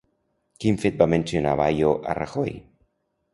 Quin fet va mencionar Bayo a Rajoy?